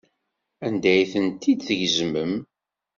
Anda ay tent-id-tgezmem?